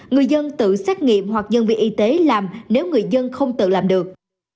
người dân tự xét nghiệm hoặc nhân viên y tế làm nếu người dân không tự làm được